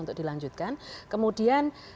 untuk dilanjutkan kemudian